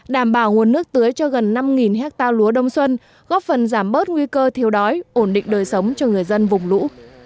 đảm bảo nguồn nước tưới cho gần năm hectare lúa đông xuân góp phần giảm bớt nguy cơ thiếu đói ổn định đời sống cho người dân vùng lũ